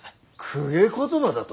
公家言葉だと？